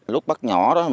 lúc bắt nhỏ đó